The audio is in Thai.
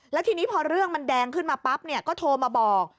แล้วทีนี้พอเรื่องมันแดงขึ้นมาปั๊บเนี่ยก็โทรมาบอก